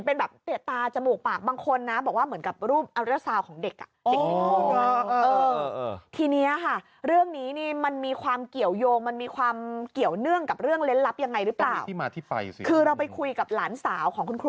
เป็นร่างคนที่มีตัวใหญ่นี่ใช่ค่ะ